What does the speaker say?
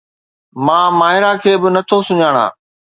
مان ماهرا کي به نٿو سڃاڻان